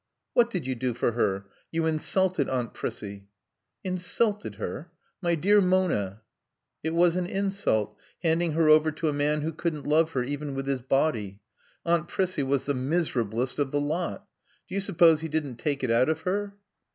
"What did you do for her? You insulted Aunt Prissie." "Insulted her? My dear Mona!" "It was an insult, handing her over to a man who couldn't love her even with his body. Aunt Prissie was the miserablest of the lot. Do you suppose he didn't take it out of her?"